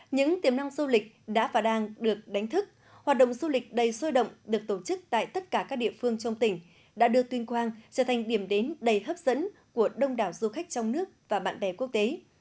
những tiềm năng du lịch đã và đang được đánh thức hoạt động du lịch đầy sôi động được tổ chức tại tất cả các địa phương trong tỉnh đã đưa tuyên quang trở thành điểm đến đầy hấp dẫn của đông đảo du khách trong nước và bạn bè quốc tế